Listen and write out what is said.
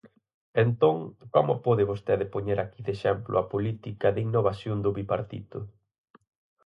Entón, ¿como pode vostede poñer aquí de exemplo a política de innovación do Bipartito?